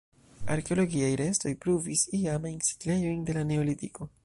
Arkeologiaj restoj pruvis iamajn setlejojn de la neolitiko.